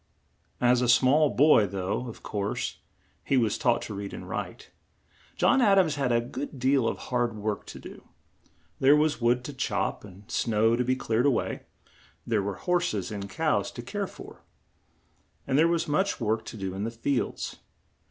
As a small boy, though, of course, he was taught to read and write, John Ad ams had a good deal of hard work to do. There was wood to chop, and snow to be cleared a way; there were hors es and cows to care for, and there was much work to do in the fields.